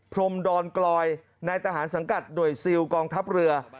พรมดอนกลอยนายทหารสังกัดหน่วยซิลกองทัพเรือ